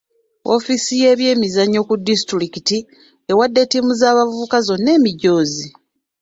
Woofiisi y'ebyemizannyo ku disitulikiti ewadde ttiimu z'abavubuka zonna emijoozi.